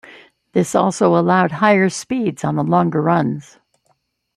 This also allowed higher speeds on the longer runs.